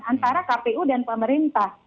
antara kpu dan pemerintah